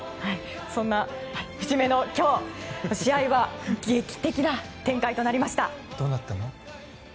そんな節目の今日試合は劇的な展開となりました。